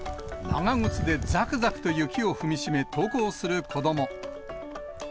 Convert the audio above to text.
長靴でざくざくと雪を踏みしめ、登校する子ども。